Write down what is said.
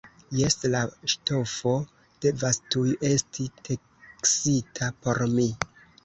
Jes, la ŝtofo devas tuj esti teksita por mi!